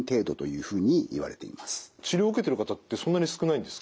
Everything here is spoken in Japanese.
治療を受けてる方ってそんなに少ないんですか？